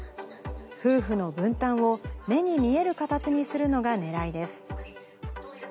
夫婦の分担を目に見える形にするのがねらいです。